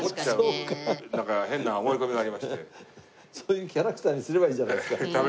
そういうキャラクターにすればいいじゃないですか。